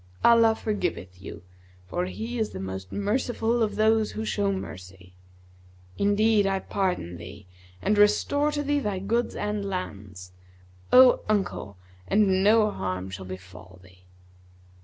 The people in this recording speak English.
Allah forgiveth you; for He is the most merciful of those who show mercy.[FN#163] Indeed I pardon thee, and restore to thee thy goods and lands, O uncle, and no harm shall befall thee.'